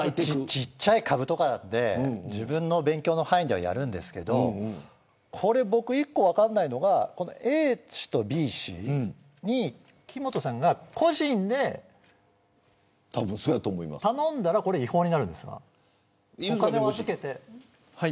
ちっちゃい株とかで自分の勉強の範囲ではやるんですけれど一個分からないのがＡ氏とＢ氏に木本さんが個人で頼んだら違法になるんですか。